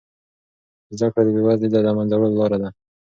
زده کړه د بې وزلۍ د له منځه وړلو لاره ده.